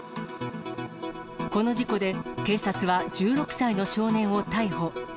この事故で、警察は１６歳の少年を逮捕。